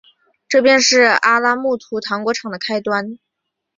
这便是阿拉木图糖果厂的开端。